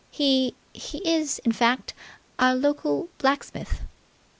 He he is, in fact, our local blacksmith!"